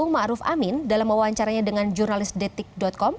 ma'ruf amin dalam mewawancaranya dengan jurnalis detik com